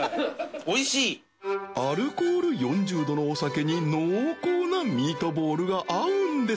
アルコール４０度のお酒に濃厚なミートボールが合うんです